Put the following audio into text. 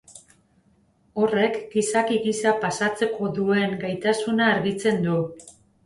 Horrek gizaki giza pasatzeko duen gaitasuna argitzen du.